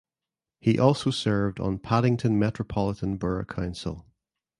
He also served on Paddington Metropolitan Borough Council.